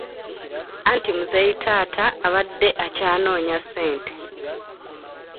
Anti muzeeyi taata abadde akyanoonya ssente.